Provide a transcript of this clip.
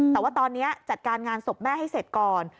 แต่ว่าตอนนี้จัดการงานศพแม่ให้เสร็จก่อน